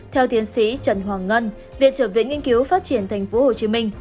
theo tiến sĩ trần hoàng ngân viện trợ viện nghiên cứu phát triển tp hcm